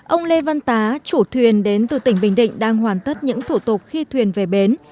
ông lê văn tá chủ thuyền đến từ tỉnh bình định đang hoàn tất những thủ tục khi thuyền về bến